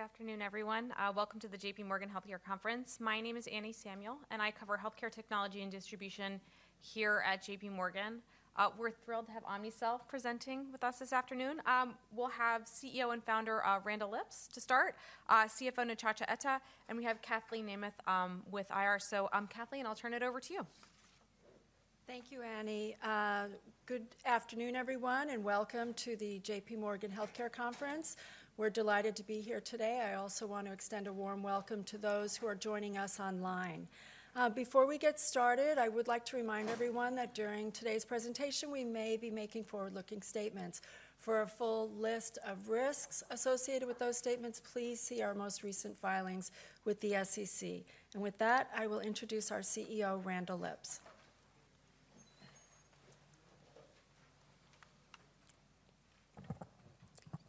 Good afternoon, everyone. Welcome to the J.P.Morgan Healthcare Conference. My name is Annie Samuel, and I cover healthcare technology and distribution here at J.P.Morgan. We're thrilled to have Omnicell presenting with us this afternoon. We'll have CEO and founder Randall Lipps to start, CFO Nchacha Etta, and we have Kathleen Nemeth with IR. So, Kathleen, I'll turn it over to you. Thank you, Annie. Good afternoon, everyone, and welcome to the J.P. Morgan Healthcare Conference. We're delighted to be here today. I also want to extend a warm welcome to those who are joining us online. Before we get started, I would like to remind everyone that during today's presentation, we may be making forward-looking statements. For a full list of risks associated with those statements, please see our most recent filings with the SEC. And with that, I will introduce our CEO, Randall Lipps.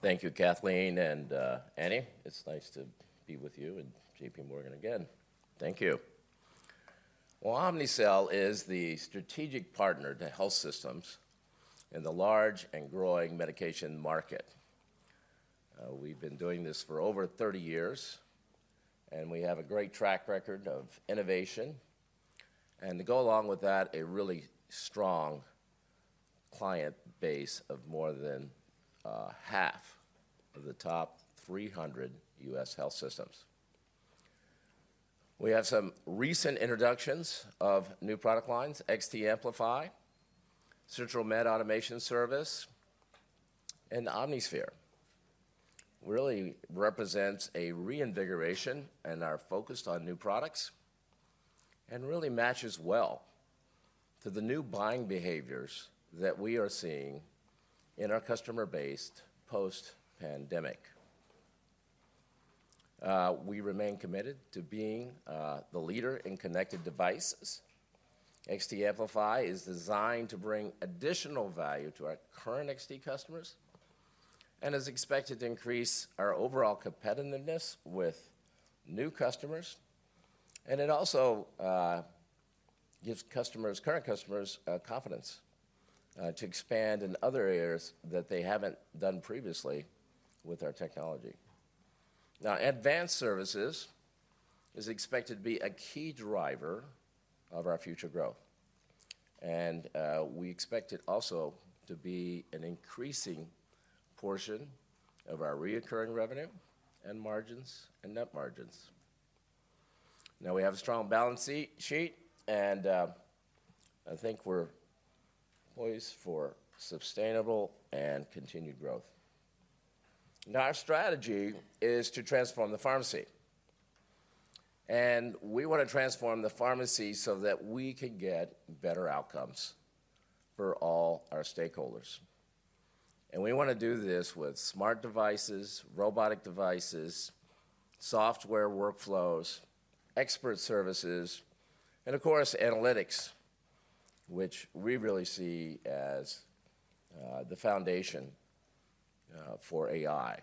Thank you, Kathleen. And, Annie, it's nice to be with you and J.P. Morgan again. Thank you. Well, Omnicell is the strategic partner to health systems in the large and growing medication market. We've been doing this for over 30 years, and we have a great track record of innovation. And to go along with that, a really strong client base of more than half of the top 300 U.S. health systems. We have some recent introductions of new product lines: XT Amplify, Central Med Automation Service, and Omnisphere. Really represents a reinvigoration in our focus on new products and really matches well to the new buying behaviors that we are seeing in our customer base post-pandemic. We remain committed to being the leader in connected devices. XT Amplify is designed to bring additional value to our current XT customers and is expected to increase our overall competitiveness with new customers. And it also gives current customers confidence to expand in other areas that they haven't done previously with our technology. Now, advanced services is expected to be a key driver of our future growth. And we expect it also to be an increasing portion of our recurring revenue and margins and net margins. Now, we have a strong balance sheet, and I think we're poised for sustainable and continued growth. Now, our strategy is to transform the pharmacy. And we want to transform the pharmacy so that we can get better outcomes for all our stakeholders. And we want to do this with smart devices, robotic devices, software workflows, expert services, and, of course, analytics, which we really see as the foundation for AI.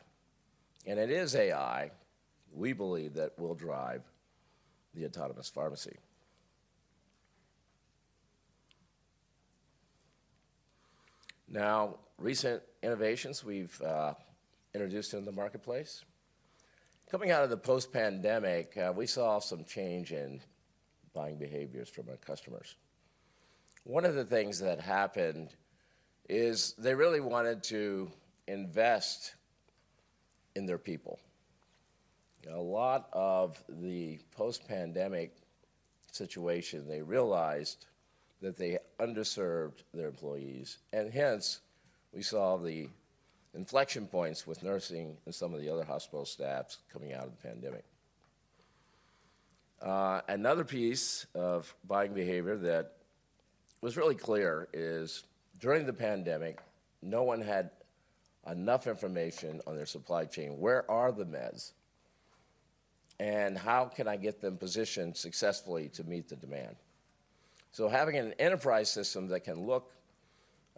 And it is AI, we believe, that will drive the autonomous pharmacy. Now, recent innovations we've introduced in the marketplace. Coming out of the post-pandemic, we saw some change in buying behaviors from our customers. One of the things that happened is they really wanted to invest in their people. A lot of the post-pandemic situation, they realized that they underserved their employees. And hence, we saw the inflection points with nursing and some of the other hospital staffs coming out of the pandemic. Another piece of buying behavior that was really clear is during the pandemic, no one had enough information on their supply chain. Where are the meds? And how can I get them positioned successfully to meet the demand? So having an enterprise system that can look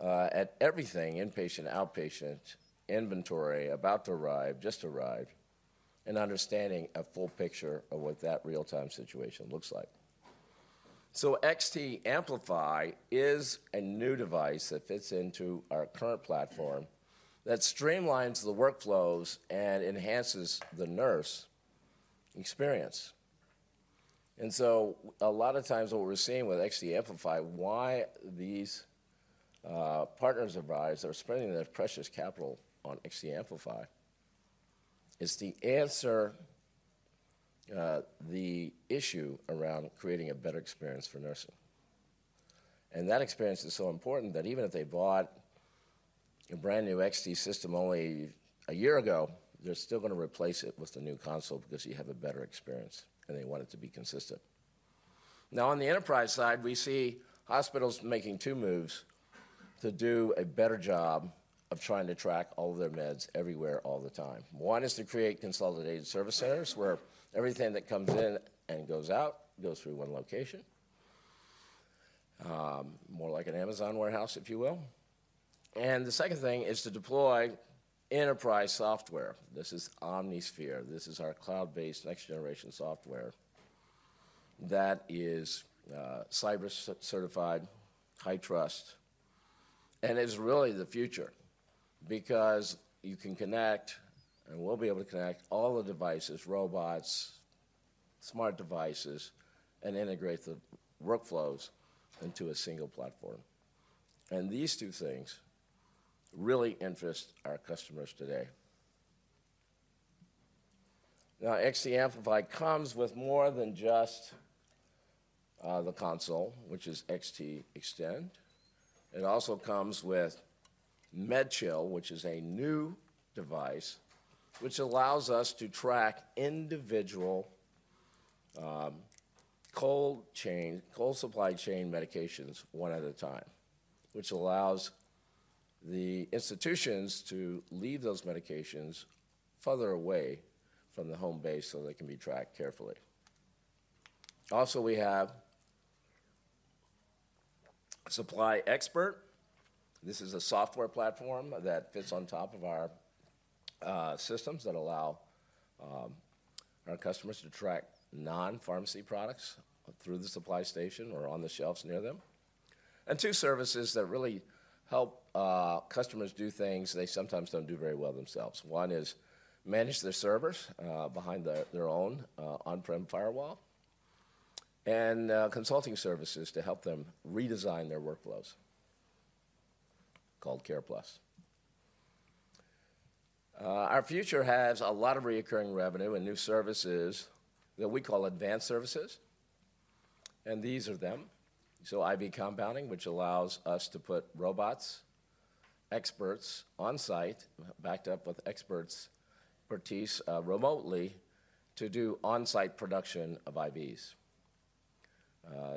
at everything: inpatient, outpatient, inventory, about to arrive, just arrived, and understanding a full picture of what that real-time situation looks like. So XT Amplify is a new device that fits into our current platform that streamlines the workflows and enhances the nurse experience. And so a lot of times what we're seeing with XT Amplify, why these partners or buyers are spending their precious capital on XT Amplify, is to answer the issue around creating a better experience for nursing. And that experience is so important that even if they bought a brand new XT system only a year ago, they're still going to replace it with a new console because you have a better experience, and they want it to be consistent. Now, on the enterprise side, we see hospitals making two moves to do a better job of trying to track all of their meds everywhere all the time. One is to create consolidated service centers where everything that comes in and goes out goes through one location, more like an Amazon warehouse, if you will. And the second thing is to deploy enterprise software. This is Omnisphere. This is our cloud-based next-generation software that is cyber-certified, HITRUST, and is really the future because you can connect, and we'll be able to connect, all the devices, robots, smart devices, and integrate the workflows into a single platform. And these two things really interest our customers today. Now, XT Amplify comes with more than just the console, which is XT Extend. It also comes with MedChill, which is a new device which allows us to track individual cold supply chain medications one at a time, which allows the institutions to leave those medications farther away from the home base so they can be tracked carefully. Also, we have Supply Expert. This is a software platform that fits on top of our systems that allow our customers to track non-pharmacy products through the supply station or on the shelves near them, and two services that really help customers do things they sometimes don't do very well themselves. One is manage their servers behind their own on-prem firewall and consulting services to help them redesign their workflows called CarePlus. Our future has a lot of recurring revenue and new services that we call advanced services, and these are them. IV compounding, which allows us to put robots, experts on-site, backed up with expertise remotely to do on-site production of IVs.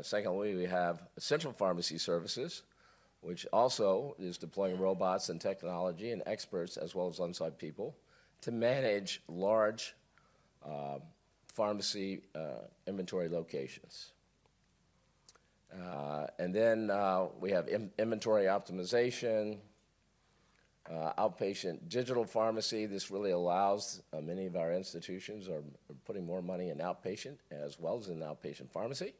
Secondly, we have Central Med Automation Service, which also is deploying robots and technology and experts as well as on-site people to manage large pharmacy inventory locations, and then we have inventory optimization, outpatient digital pharmacy. This really allows many of our institutions are putting more money in outpatient as well as in outpatient pharmacy.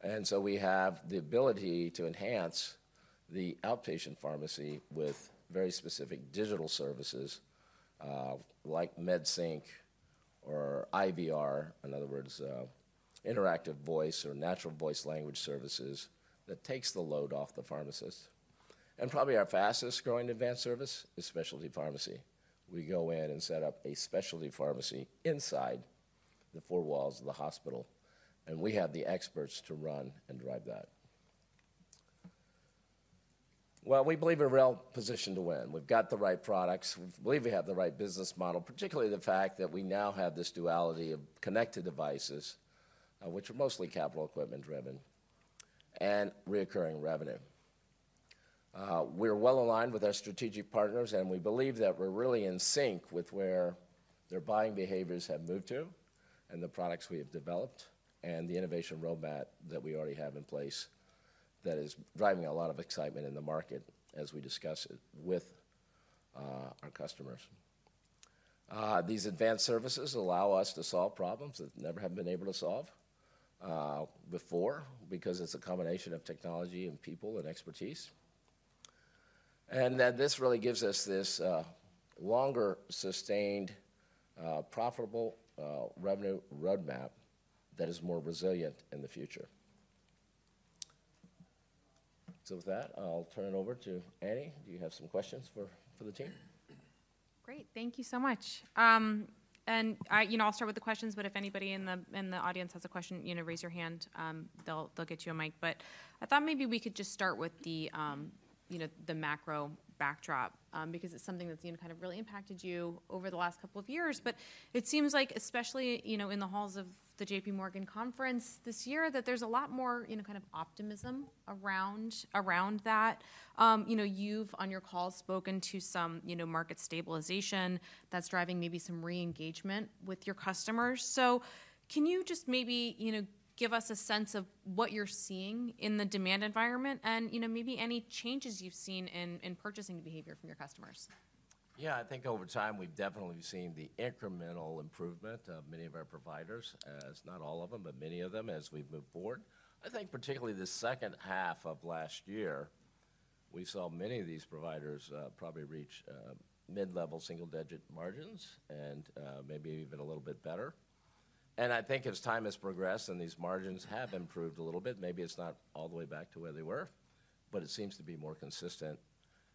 And so we have the ability to enhance the outpatient pharmacy with very specific digital services like MedSync or IVR, in other words, interactive voice or natural voice language services that takes the load off the pharmacist. And probably our fastest growing advanced service is specialty pharmacy. We go in and set up a specialty pharmacy inside the four walls of the hospital, and we have the experts to run and drive that. Well, we believe we're well positioned to win. We've got the right products. We believe we have the right business model, particularly the fact that we now have this duality of connected devices, which are mostly capital equipment-driven, and recurring revenue. We're well aligned with our strategic partners, and we believe that we're really in sync with where their buying behaviors have moved to and the products we have developed and the innovation roadmap that we already have in place that is driving a lot of excitement in the market as we discuss it with our customers. These advanced services allow us to solve problems that never have been able to solve before because it's a combination of technology and people and expertise, and then this really gives us this longer, sustained, profitable revenue roadmap that is more resilient in the future, so with that, I'll turn it over to Annie. Do you have some questions for the team? Great. Thank you so much. And I'll start with the questions, but if anybody in the audience has a question, raise your hand. They'll get you a mic. But I thought maybe we could just start with the macro backdrop because it's something that's kind of really impacted you over the last couple of years. But it seems like, especially in the halls of the J.P. Morgan Conference this year, that there's a lot more kind of optimism around that. You've, on your calls, spoken to some market stabilization that's driving maybe some re-engagement with your customers. So can you just maybe give us a sense of what you're seeing in the demand environment and maybe any changes you've seen in purchasing behavior from your customers? Yeah. I think over time we've definitely seen the incremental improvement of many of our providers, not all of them, but many of them, as we've moved forward. I think particularly the second half of last year, we saw many of these providers probably reach mid-level single-digit margins and maybe even a little bit better. And I think as time has progressed and these margins have improved a little bit, maybe it's not all the way back to where they were, but it seems to be more consistent,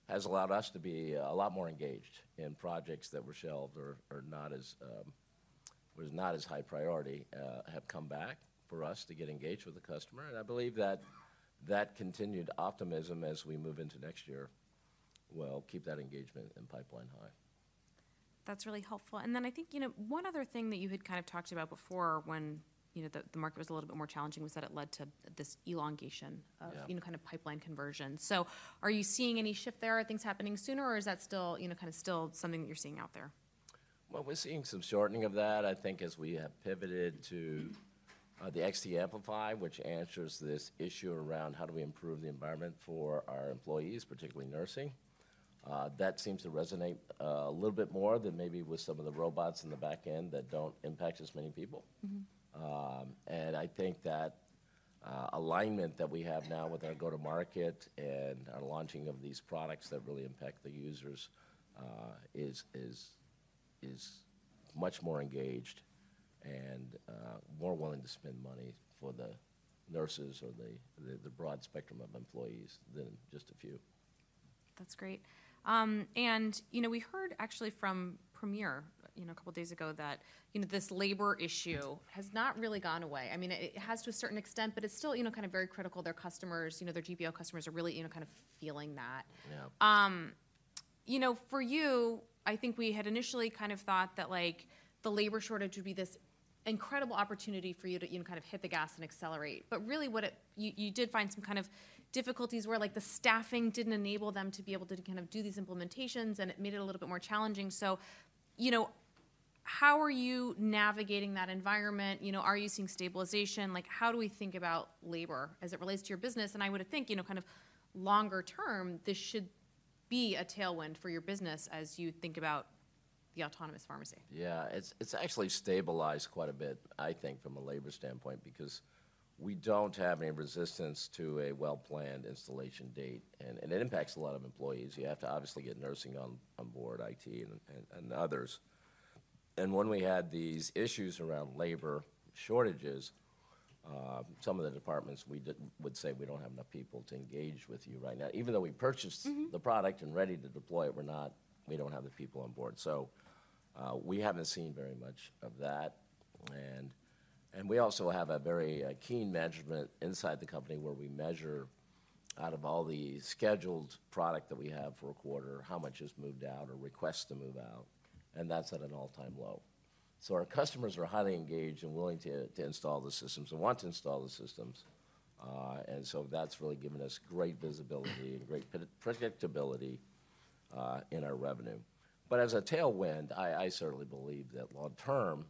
has allowed us to be a lot more engaged in projects that were shelved or not as high priority have come back for us to get engaged with the customer. And I believe that that continued optimism as we move into next year will keep that engagement and pipeline high. That's really helpful, and then I think one other thing that you had kind of talked about before when the market was a little bit more challenging was that it led to this elongation of kind of pipeline conversion, so are you seeing any shift there? Are things happening sooner, or is that still kind of something that you're seeing out there? We're seeing some shortening of that. I think as we have pivoted to the XT Amplify, which answers this issue around how do we improve the environment for our employees, particularly nursing, that seems to resonate a little bit more than maybe with some of the robots in the back end that don't impact as many people. I think that alignment that we have now with our go-to-market and our launching of these products that really impact the users is much more engaged and more willing to spend money for the nurses or the broad spectrum of employees than just a few. That's great. And we heard actually from Premier a couple of days ago that this labor issue has not really gone away. I mean, it has to a certain extent, but it's still kind of very critical. Their customers, their GPO customers are really kind of feeling that. For you, I think we had initially kind of thought that the labor shortage would be this incredible opportunity for you to kind of hit the gas and accelerate. But really what you did find some kind of difficulties were the staffing didn't enable them to be able to kind of do these implementations, and it made it a little bit more challenging. So how are you navigating that environment? Are you seeing stabilization? How do we think about labor as it relates to your business? I would think kind of longer term, this should be a tailwind for your business as you think about the autonomous pharmacy. Yeah. It's actually stabilized quite a bit, I think, from a labor standpoint because we don't have any resistance to a well-planned installation date. And it impacts a lot of employees. You have to obviously get nursing on board, IT and others. And when we had these issues around labor shortages, some of the departments, we would say, "We don't have enough people to engage with you right now." Even though we purchased the product and are ready to deploy it, we don't have the people on board. So we haven't seen very much of that. And we also have a very keen measurement inside the company where we measure out of all the scheduled product that we have for a quarter how much has moved out or requests to move out. And that's at an all-time low. So our customers are highly engaged and willing to install the systems and want to install the systems. And so that's really given us great visibility and great predictability in our revenue. But as a tailwind, I certainly believe that long term,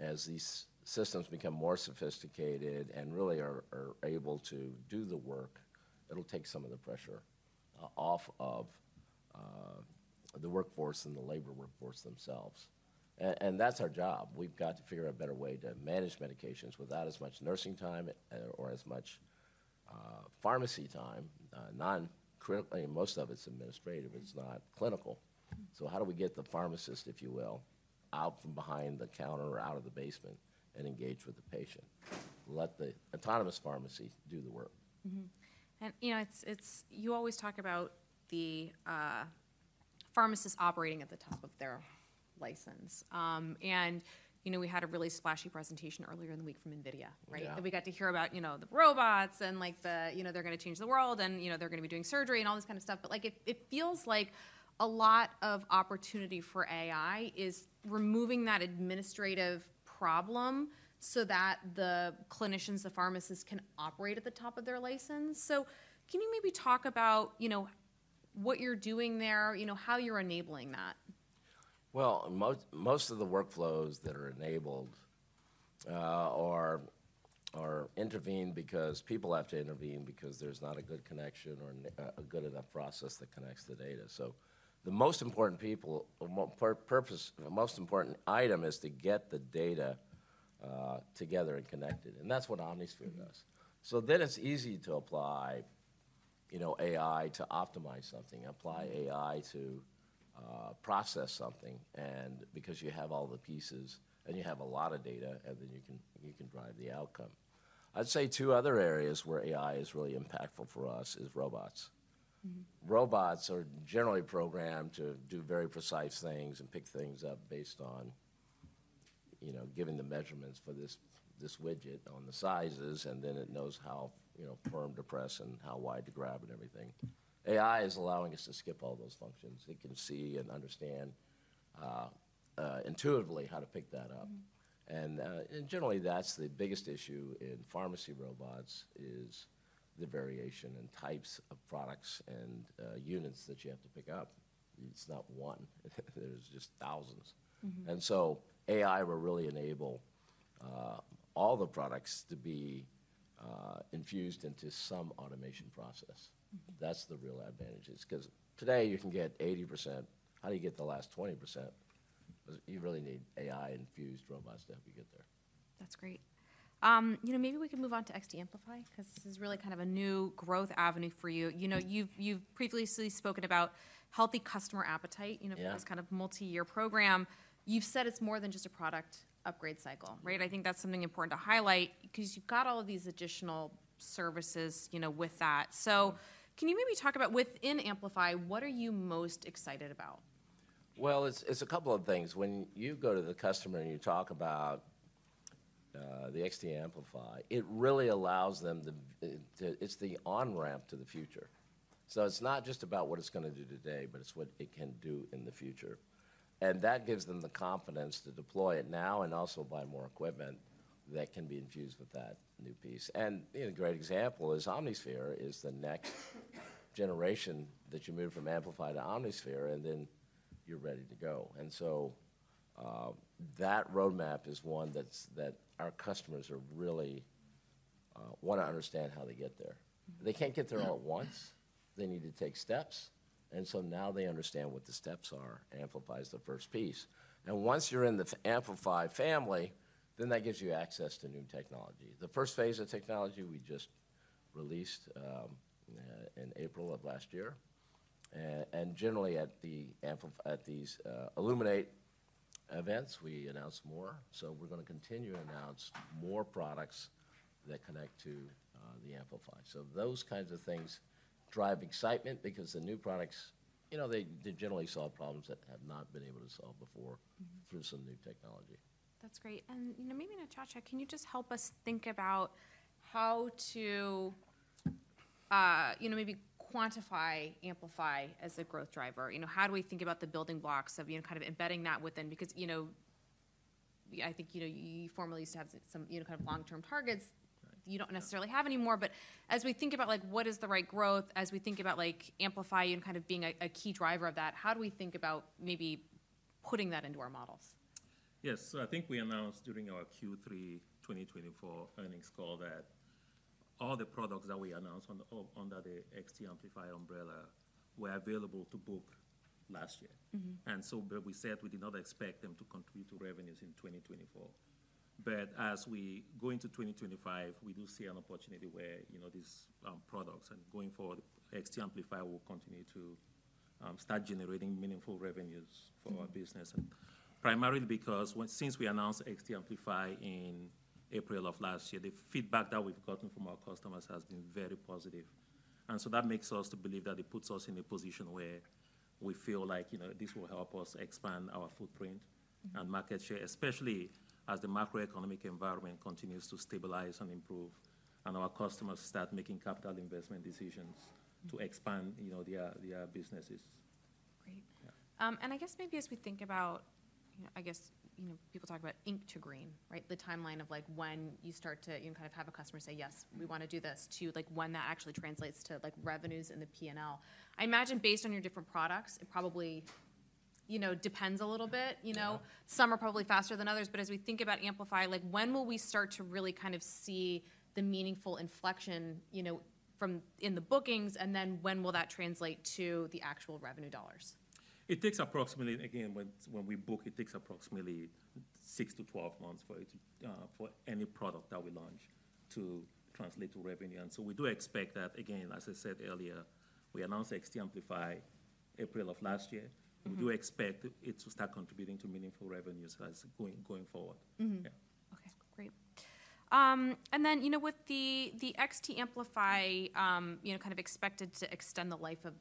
as these systems become more sophisticated and really are able to do the work, it'll take some of the pressure off of the workforce and the labor workforce themselves. And that's our job. We've got to figure out a better way to manage medications without as much nursing time or as much pharmacy time. Non-critically, most of it's administrative. It's not clinical. So how do we get the pharmacist, if you will, out from behind the counter or out of the basement and engage with the patient? Let the autonomous pharmacy do the work. And you always talk about the pharmacist operating at the top of their license. And we had a really splashy presentation earlier in the week from NVIDIA, right? And we got to hear about the robots and they're going to change the world and they're going to be doing surgery and all this kind of stuff. But it feels like a lot of opportunity for AI is removing that administrative problem so that the clinicians, the pharmacists can operate at the top of their license. So can you maybe talk about what you're doing there, how you're enabling that? Most of the workflows that are enabled intervene because people have to intervene because there's not a good connection or a good enough process that connects the data. The most important people, most important item is to get the data together and connected. That's what Omnisphere does. It's easy to apply AI to optimize something, apply AI to process something because you have all the pieces and you have a lot of data, and then you can drive the outcome. I'd say two other areas where AI is really impactful for us is robots. Robots are generally programmed to do very precise things and pick things up based on giving the measurements for this widget on the sizes, and then it knows how firm to press and how wide to grab and everything. AI is allowing us to skip all those functions. It can see and understand intuitively how to pick that up. And generally, that's the biggest issue in pharmacy robots is the variation and types of products and units that you have to pick up. It's not one. There's just thousands. And so AI will really enable all the products to be infused into some automation process. That's the real advantage because today you can get 80%. How do you get the last 20%? You really need AI-infused robots to help you get there. That's great. Maybe we can move on to XT Amplify because this is really kind of a new growth avenue for you. You've previously spoken about healthy customer appetite for this kind of multi-year program. You've said it's more than just a product upgrade cycle, right? I think that's something important to highlight because you've got all of these additional services with that. So can you maybe talk about within Amplify, what are you most excited about? It's a couple of things. When you go to the customer and you talk about the XT Amplify, it really allows them to. It's the on-ramp to the future, so it's not just about what it's going to do today, but it's what it can do in the future, and that gives them the confidence to deploy it now and also buy more equipment that can be infused with that new piece, and a great example is Omnisphere, the next generation that you move from Amplify to Omnisphere, and then you're ready to go, and so that roadmap is one that our customers really want to understand how they get there. They can't get there all at once. They need to take steps, and so now they understand what the steps are. Amplify is the first piece. Once you're in the Amplify family, then that gives you access to new technology. The first phase of technology we just released in April of last year. Generally, at these Illuminate events, we announce more. We're going to continue to announce more products that connect to the Amplify. Those kinds of things drive excitement because the new products, they generally solve problems that have not been able to solve before through some new technology. That's great. And maybe Nchacha, can you just help us think about how to maybe quantify Amplify as a growth driver? How do we think about the building blocks of kind of embedding that within? Because I think you formerly used to have some kind of long-term targets. You don't necessarily have anymore. But as we think about what is the right growth, as we think about Amplify kind of being a key driver of that, how do we think about maybe putting that into our models? Yes. So I think we announced during our Q3 2024 earnings call that all the products that we announced under the XT Amplify umbrella were available to book last year. And so we said we did not expect them to contribute to revenues in 2024. But as we go into 2025, we do see an opportunity where these products and going forward, XT Amplify will continue to start generating meaningful revenues for our business. And primarily because since we announced XT Amplify in April of last year, the feedback that we've gotten from our customers has been very positive. And so that makes us believe that it puts us in a position where we feel like this will help us expand our footprint and market share, especially as the macroeconomic environment continues to stabilize and improve and our customers start making capital investment decisions to expand their businesses. Great. And I guess maybe as we think about, I guess people talk about ink to green, right? The timeline of when you start to kind of have a customer say, "Yes, we want to do this," to when that actually translates to revenues in the P&L. I imagine based on your different products, it probably depends a little bit. Some are probably faster than others. But as we think about Amplify, when will we start to really kind of see the meaningful inflection in the bookings, and then when will that translate to the actual revenue dollars? It takes approximately, again, when we book, it takes approximately six to 12 months for any product that we launch to translate to revenue. And so we do expect that, again, as I said earlier, we announced XT Amplify in April of last year. We do expect it to start contributing to meaningful revenues going forward. Yeah. Okay. Great. And then with the XT Amplify kind of expected to extend the life of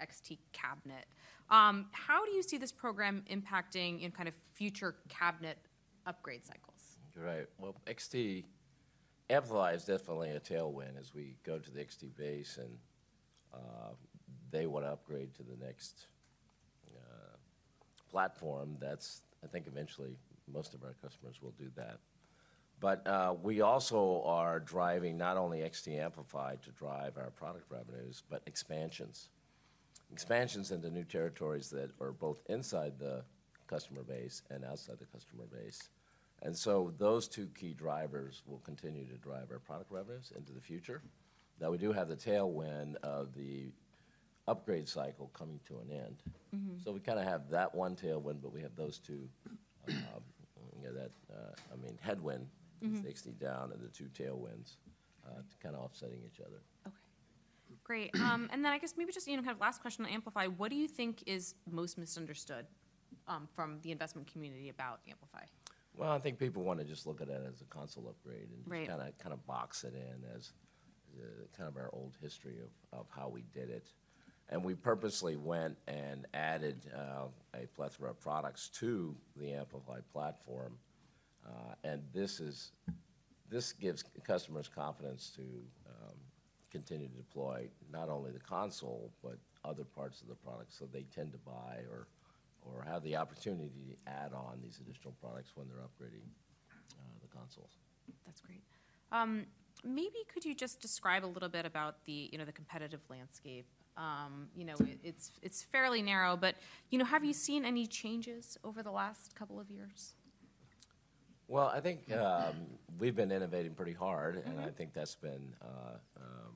the XT cabinet, how do you see this program impacting kind of future cabinet upgrade cycles? You're right. Well, XT Amplify is definitely a tailwind as we go to the XT base, and they want to upgrade to the next platform. I think eventually most of our customers will do that. But we also are driving not only XT Amplify to drive our product revenues, but expansions. Expansions into new territories that are both inside the customer base and outside the customer base. And so those two key drivers will continue to drive our product revenues into the future. Now, we do have the tailwind of the upgrade cycle coming to an end. So we kind of have that one tailwind, but we have those two. I mean, headwind is XT down and the two tailwinds kind of offsetting each other. Okay. Great, and then I guess maybe just kind of last question on Amplify. What do you think is most misunderstood from the investment community about Amplify? Well, I think people want to just look at it as a console upgrade and kind of box it in as kind of our old history of how we did it. And we purposely went and added a plethora of products to the Amplify platform. And this gives customers confidence to continue to deploy not only the console, but other parts of the product. So they tend to buy or have the opportunity to add on these additional products when they're upgrading the consoles. That's great. Maybe could you just describe a little bit about the competitive landscape? It's fairly narrow, but have you seen any changes over the last couple of years? I think we've been innovating pretty hard, and I think that's been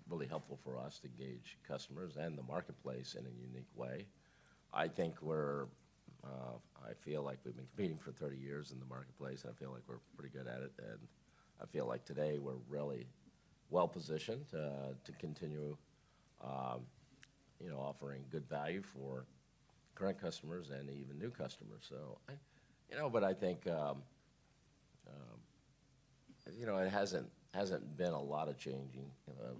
really helpful for us to engage customers and the marketplace in a unique way. I think I feel like we've been competing for 30 years in the marketplace, and I feel like we're pretty good at it. I feel like today we're really well positioned to continue offering good value for current customers and even new customers. I think it hasn't been a lot of changing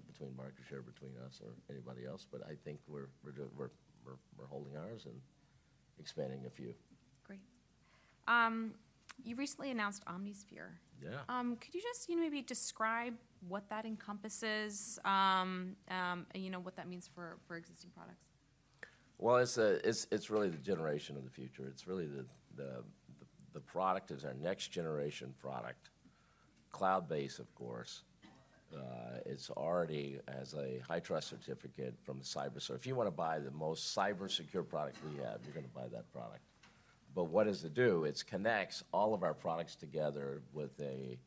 between market share between us or anybody else. I think we're holding ours and expanding a few. Great. You recently announced Omnisphere. Could you just maybe describe what that encompasses, what that means for existing products? It's really the generation of the future. It's really the product is our next generation product, cloud-based, of course. It already has a HITRUST certification. If you want to buy the most cybersecure product we have, you're going to buy that product. But what does it do? It connects all of our products together with a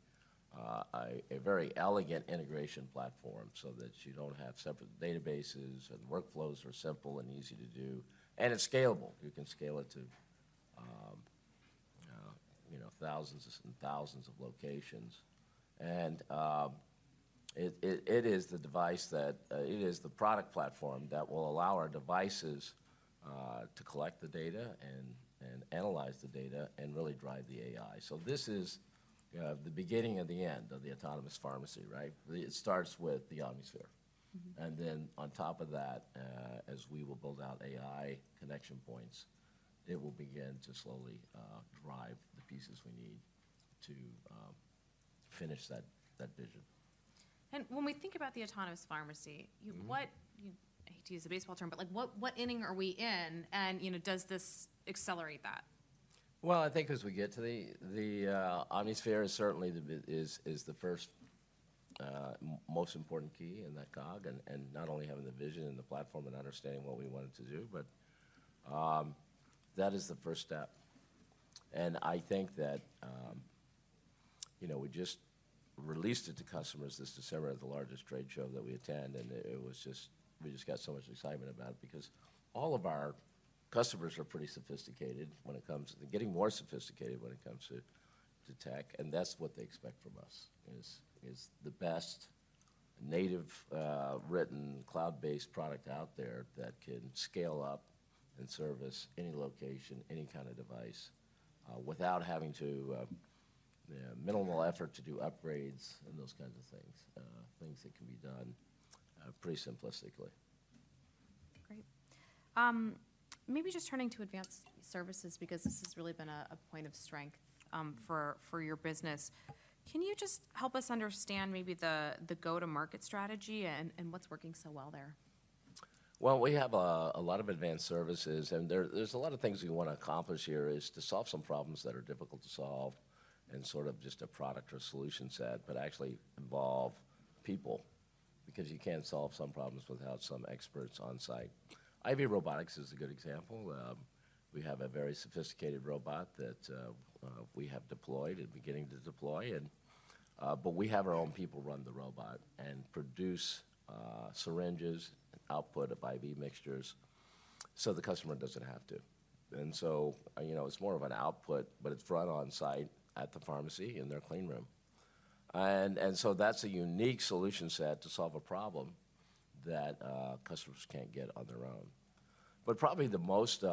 very elegant integration platform so that you don't have separate databases and workflows are simple and easy to do. And it's scalable. You can scale it to thousands and thousands of locations. And it is the device that is the product platform that will allow our devices to collect the data and analyze the data and really drive the AI. So this is the beginning of the end of the autonomous pharmacy, right? It starts with the Omnisphere. And then on top of that, as we will build out AI connection points, it will begin to slowly drive the pieces we need to finish that vision. When we think about the Autonomous Pharmacy, what I hate to use a baseball term, but what inning are we in? Does this accelerate that? I think as we get to the Omnisphere, it certainly is the first most important key in that cog. Not only having the vision and the platform and understanding what we wanted to do, but that is the first step. I think that we just released it to customers this December at the largest trade show that we attend. We just got so much excitement about it because all of our customers are pretty sophisticated when it comes to getting more sophisticated when it comes to tech. That's what they expect from us is the best native written cloud-based product out there that can scale up and service any location, any kind of device without having to minimal effort to do upgrades and those kinds of things, things that can be done pretty simplistically. Great. Maybe just turning to advanced services because this has really been a point of strength for your business. Can you just help us understand maybe the go-to-market strategy and what's working so well there? We have a lot of advanced services. There's a lot of things we want to accomplish here, is to solve some problems that are difficult to solve and sort of just a product or solution set, but actually involve people because you can't solve some problems without some experts on site. IV robotics is a good example. We have a very sophisticated robot that we have deployed and beginning to deploy. We have our own people run the robot and produce syringes and output of IV mixtures so the customer doesn't have to. It's more of an output, but it's brought on site at the pharmacy in their clean room. That's a unique solution set to solve a problem that customers can't get on their own. Probably the most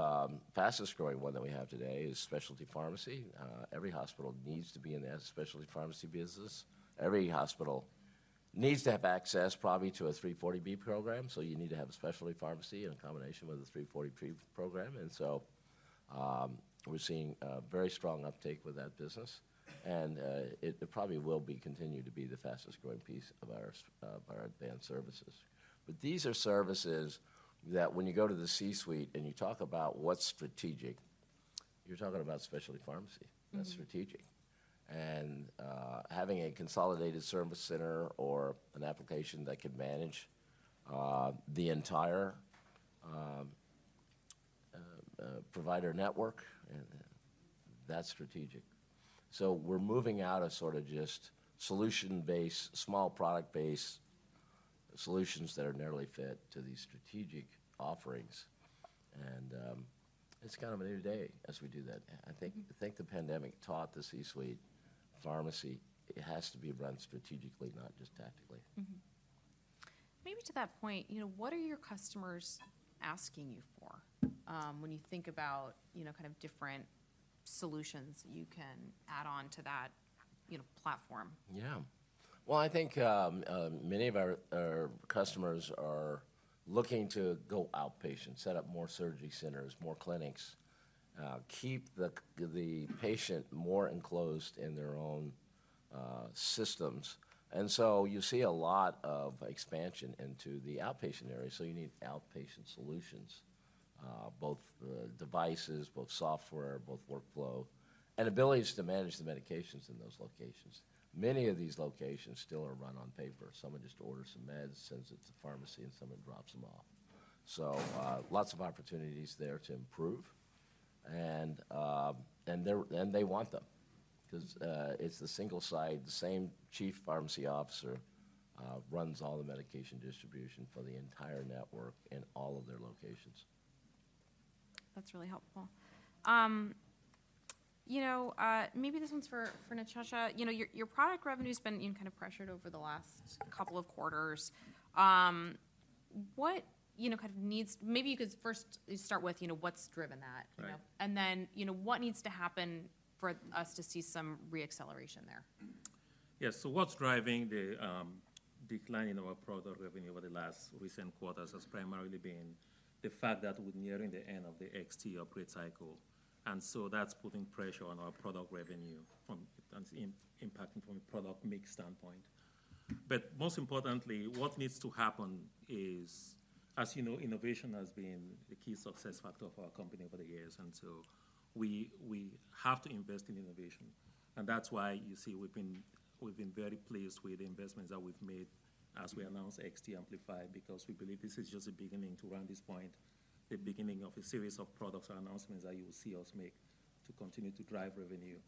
fastest growing one that we have today is specialty pharmacy. Every hospital needs to be in the specialty pharmacy business. Every hospital needs to have access probably to a 340B program. So you need to have a specialty pharmacy in combination with a 340B program. And so we're seeing a very strong uptake with that business. And it probably will continue to be the fastest growing piece of our advanced services. But these are services that when you go to the C-suite and you talk about what's strategic, you're talking about specialty pharmacy. That's strategic. And having a consolidated service center or an application that can manage the entire provider network, that's strategic. So we're moving out of sort of just solution-based, small product-based solutions that are narrowly fit to these strategic offerings. And it's kind of a new day as we do that. I think the pandemic taught the C-suite pharmacy it has to be run strategically, not just tactically. Maybe to that point, what are your customers asking you for when you think about kind of different solutions that you can add on to that platform? Yeah. Well, I think many of our customers are looking to go outpatient, set up more surgery centers, more clinics, keep the patient more enclosed in their own systems. And so you see a lot of expansion into the outpatient area. So you need outpatient solutions, both devices, both software, both workflow, and abilities to manage the medications in those locations. Many of these locations still are run on paper. Someone just orders some meds, sends it to the pharmacy, and someone drops them off. So lots of opportunities there to improve. And they want them because it's the single side, the same chief pharmacy officer runs all the medication distribution for the entire network in all of their locations. That's really helpful. Maybe this one's for Nchacha. Your product revenue has been kind of pressured over the last couple of quarters. What kind of needs maybe you could first start with what's driven that, and then what needs to happen for us to see some re-acceleration there? Yes. So what's driving the decline in our product revenue over the last recent quarters has primarily been the fact that we're nearing the end of the XT upgrade cycle. And so that's putting pressure on our product revenue from impacting from a product mix standpoint. But most importantly, what needs to happen is, as you know, innovation has been the key success factor for our company over the years. And so we have to invest in innovation. And that's why you see we've been very pleased with the investments that we've made as we announced XT Amplify because we believe this is just the beginning at this point, the beginning of a series of products or announcements that you will see us make to continue to drive revenue.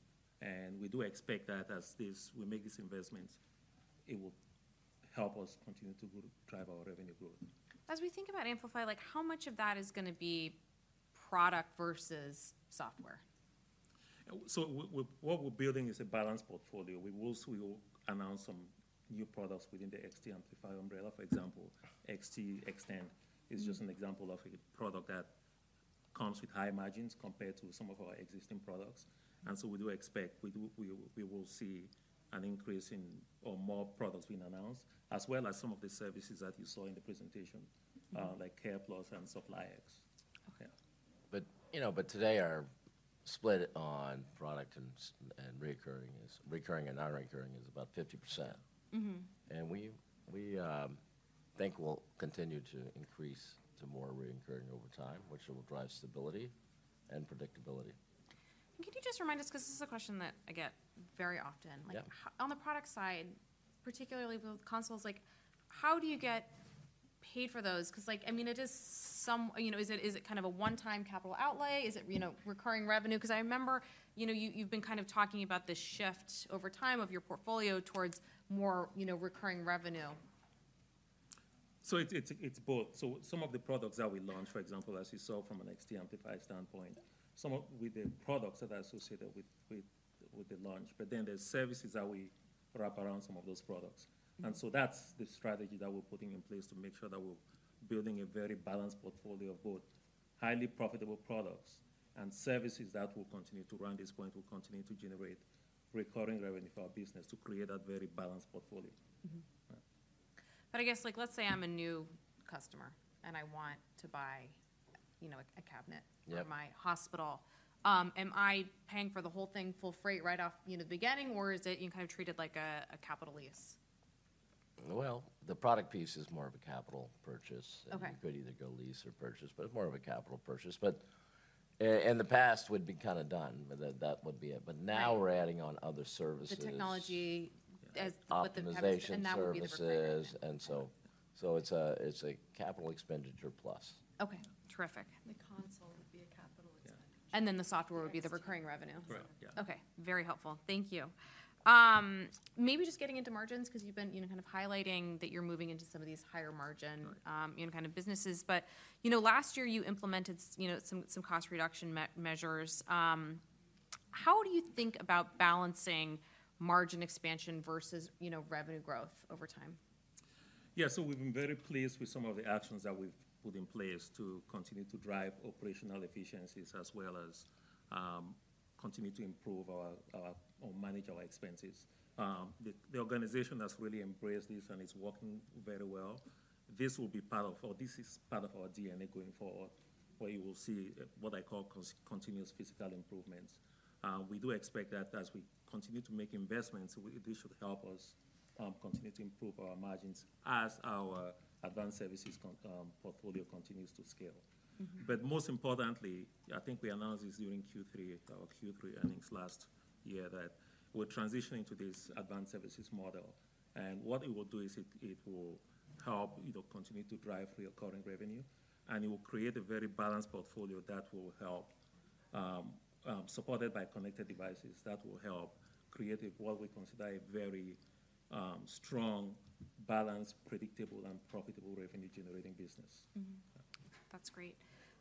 And we do expect that as we make these investments, it will help us continue to drive our revenue growth. As we think about Amplify, how much of that is going to be product versus software? So what we're building is a balanced portfolio. We will announce some new products within the XT Amplify umbrella. For example, XT Extend is just an example of a product that comes with high margins compared to some of our existing products. And so we do expect we will see an increase in or more products being announced, as well as some of the services that you saw in the presentation, like CarePlus and SupplyX. But today our split on product and recurring and non-recurring is about 50%. And we think we'll continue to increase to more recurring over time, which will drive stability and predictability. Can you just remind us because this is a question that I get very often? On the product side, particularly with consoles, how do you get paid for those? Because I mean, is it kind of a one-time capital outlay? Is it recurring revenue? Because I remember you've been kind of talking about this shift over time of your portfolio towards more recurring revenue. So it's both. So some of the products that we launch, for example, as you saw from an XT Amplify standpoint, some of the products that are associated with the launch. But then there's services that we wrap around some of those products. And so that's the strategy that we're putting in place to make sure that we're building a very balanced portfolio of both highly profitable products and services that will continue to run this point, will continue to generate recurring revenue for our business to create that very balanced portfolio. But I guess let's say I'm a new customer and I want to buy a cabinet for my hospital. Am I paying for the whole thing full freight right off the beginning, or is it kind of treated like a capital lease? The product piece is more of a capital purchase. And you could either go lease or purchase, but it's more of a capital purchase. But in the past, we'd be kind of done. That would be it. But now we're adding on other services. The technology with the purchase, and that would be the purchase. It's a CapEx plus. Okay. Terrific. The console would be a capital expenditure. And then the software would be the recurring revenue. Correct. Yeah. Okay. Very helpful. Thank you. Maybe just getting into margins because you've been kind of highlighting that you're moving into some of these higher margin kind of businesses. But last year, you implemented some cost reduction measures. How do you think about balancing margin expansion versus revenue growth over time? Yeah. So we've been very pleased with some of the actions that we've put in place to continue to drive operational efficiencies as well as continue to improve, or manage, our expenses. The organization has really embraced this and it's working very well. This will be part of or this is part of our DNA going forward, where you will see what I call continuous fiscal improvements. We do expect that as we continue to make investments, this should help us continue to improve our margins as our advanced services portfolio continues to scale. But most importantly, I think we announced this during Q3, our Q3 earnings last year, that we're transitioning to this advanced services model. And what it will do is it will help continue to drive recurring revenue. And it will create a very balanced portfolio that will help, supported by connected devices, that will help create what we consider a very strong, balanced, predictable, and profitable revenue-generating business. That's great.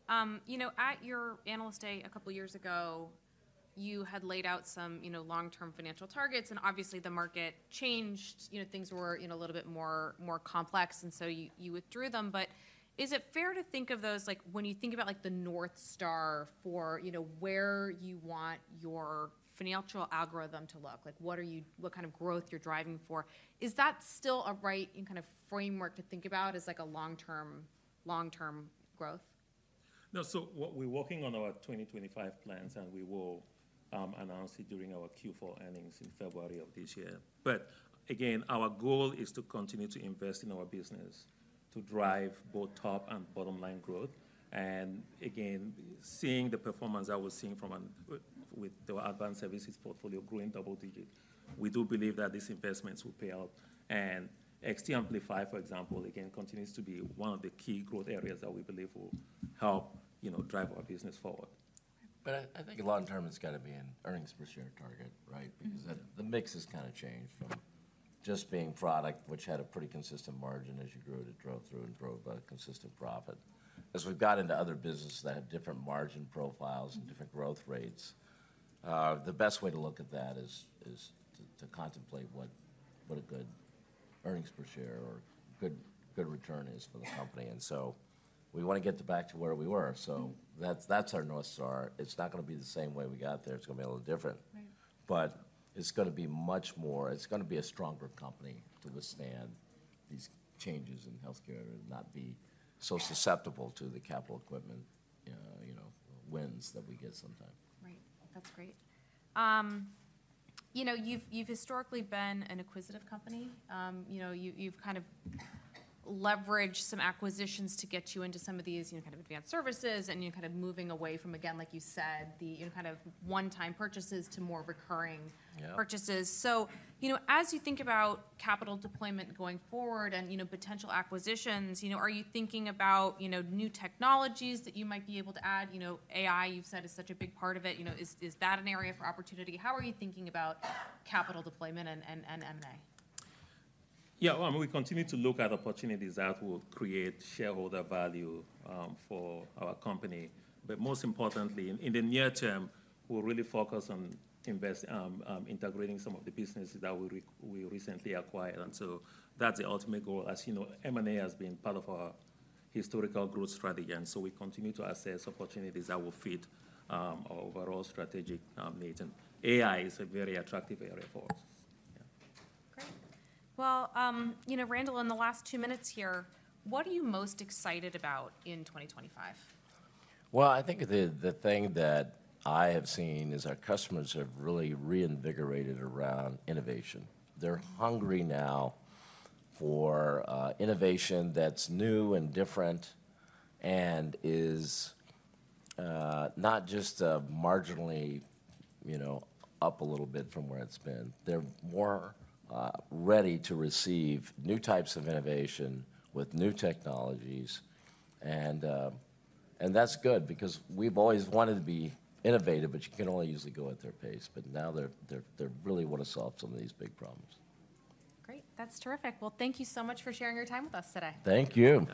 At your analyst day a couple of years ago, you had laid out some long-term financial targets. And obviously, the market changed. Things were a little bit more complex. And so you withdrew them. But is it fair to think of those when you think about the North Star for where you want your financial algorithm to look, what kind of growth you're driving for, is that still a right kind of framework to think about as a long-term growth? No. So we're working on our 2025 plans, and we will announce it during our Q4 earnings in February of this year. But again, our goal is to continue to invest in our business to drive both top- and bottom-line growth. And again, seeing the performance that we're seeing with the advanced services portfolio growing double-digit, we do believe that these investments will pay out. And XT Amplify, for example, again, continues to be one of the key growth areas that we believe will help drive our business forward. But I think long-term, it's got to be an earnings per share target, right? Because the mix has kind of changed from just being product, which had a pretty consistent margin as you grew it, it drove through and drove a consistent profit. As we've got into other businesses that have different margin profiles and different growth rates, the best way to look at that is to contemplate what a good earnings per share or good return is for the company. And so we want to get back to where we were. So that's our North Star. It's not going to be the same way we got there. It's going to be a little different. But it's going to be much more, it's going to be a stronger company to withstand these changes in healthcare and not be so susceptible to the capital equipment wins that we get sometimes. Right. That's great. You've historically been an acquisitive company. You've kind of leveraged some acquisitions to get you into some of these kind of advanced services and kind of moving away from, again, like you said, the kind of one-time purchases to more recurring purchases. So as you think about capital deployment going forward and potential acquisitions, are you thinking about new technologies that you might be able to add? AI, you've said, is such a big part of it. Is that an area for opportunity? How are you thinking about capital deployment and M&A? Yeah. We continue to look at opportunities that will create shareholder value for our company. But most importantly, in the near term, we'll really focus on integrating some of the businesses that we recently acquired. And so that's the ultimate goal. As you know, M&A has been part of our historical growth strategy. And so we continue to assess opportunities that will fit our overall strategic needs. And AI is a very attractive area for us. Great. Well, Randall, in the last two minutes here, what are you most excited about in 2025? I think the thing that I have seen is our customers have really reinvigorated around innovation. They're hungry now for innovation that's new and different and is not just marginally up a little bit from where it's been. They're more ready to receive new types of innovation with new technologies, and that's good because we've always wanted to be innovative, but you can only usually go at their pace, but now they really want to solve some of these big problems. Great. That's terrific. Well, thank you so much for sharing your time with us today. Thank you.